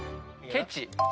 ケチ。